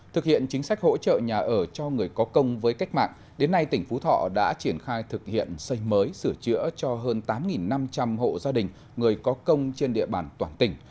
thực hiện chính sách hỗ trợ nhà ở cho người có công với cách mạng đến nay tỉnh phú thọ đã triển khai thực hiện xây mới sửa chữa cho hơn tám năm trăm linh hộ gia đình người có công trên địa bàn toàn tỉnh